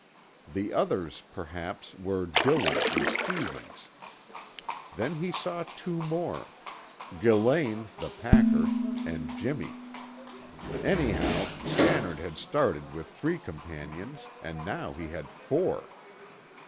The others, perhaps, were Dillon and Stevens. Then he saw two more; Gillane, the packer, and Jimmy. Anyhow, Stannard had started with three companions and now he had four.